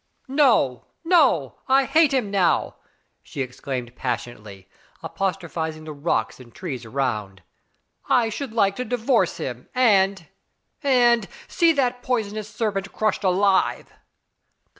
"No ! no ! I hate him now," she exclaimed pas sionately, apostrophizing the rocks and trees around. "I should like to divorce him, and — and — see that poisonous serpent crushed alive."